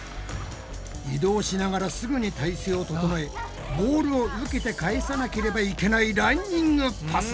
移動しながらすぐに体勢を整えボールを受けて返さなければいけないランニングパス。